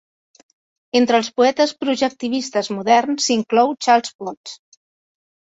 Entre els poetes projectivistes moderns s'inclou Charles Potts.